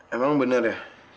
emang bener ya